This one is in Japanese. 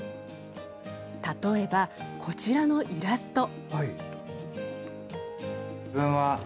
例えば、こちらのイラスト。